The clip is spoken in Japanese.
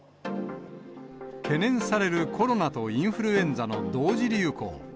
懸念されるコロナとインフルエンザの同時流行。